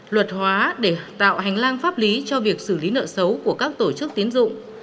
luật hóa để tạo hành lang pháp lý cho việc xử lý nợ xấu của các tổ chức tiến dụng